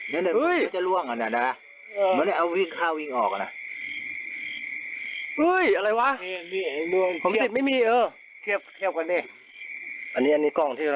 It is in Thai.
มันจะหันไป